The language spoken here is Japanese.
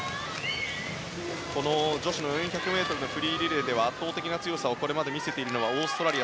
この女子の４００ｍのフリーリレーでは圧倒的な強さをこれまで見せているオーストラリア。